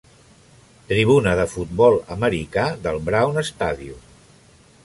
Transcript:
Tribuna de futbol americà del Brown Stadium.